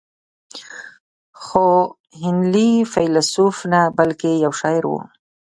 خو هنلي فيلسوف نه بلکې يو شاعر و.